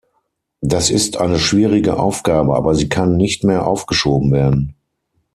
Das ist eine schwierige Aufgabe, aber sie kann nicht mehr aufgeschoben werden.